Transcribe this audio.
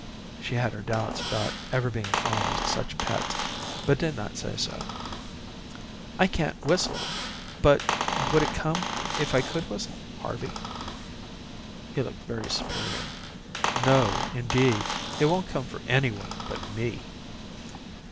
She had her doubts about ever being fond of such pets, but did not say so. "I can't whistle, but would it come if I could whistle, Harvey?" He looked very superior. "No, indeed. It won't come for any one but me."